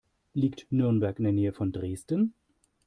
Liegt Nürnberg in der Nähe von Dresden?